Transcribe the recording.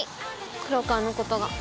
黒川のことが。